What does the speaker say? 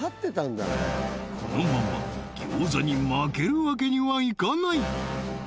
このままギョーザに負けるわけにはいかない！